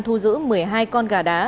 thu giữ một mươi hai con gà đá